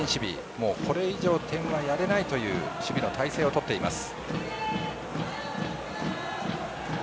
もうこれ以上点はやれないという守備の態勢をとっています。